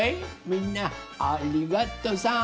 みんなありがとさん！